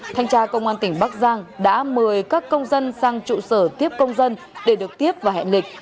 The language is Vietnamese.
thanh tra công an tỉnh bắc giang đã mời các công dân sang trụ sở tiếp công dân để được tiếp và hẹn lịch